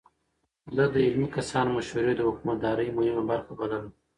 ده د علمي کسانو مشورې د حکومتدارۍ مهمه برخه بلله.